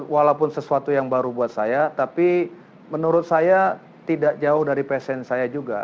walaupun sesuatu yang baru buat saya tapi menurut saya tidak jauh dari passion saya juga